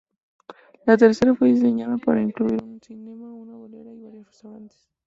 La tercera fue diseñada para incluir un cinema, una bolera y varios restaurantes.